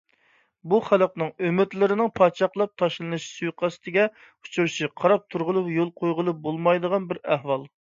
بۇ خەلقنىڭ ئۈمىدلىرىنىڭ پاچاقلاپ تاشلىنىش سۇيىقەستىگە ئۇچرىشى قاراپ تۇرغىلى، يول قويغىلى بولمايدىغان بىر ئەھۋال.